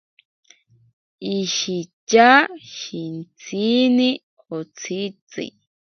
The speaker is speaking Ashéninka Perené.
Ishitya shintsini otsitzi.